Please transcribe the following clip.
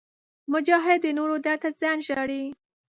مجاهد د نورو درد ته ځان ژاړي.